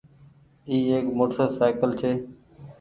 اي ايڪ موٽر سآئيڪل ڇي۔